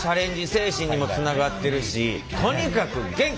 精神にもつながってるしとにかく元気！